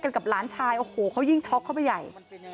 กับล้านชายเขายิ่งช็อกเขาไปใหญ่